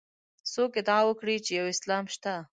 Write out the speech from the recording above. څوک ادعا وکړي یو اسلام شته.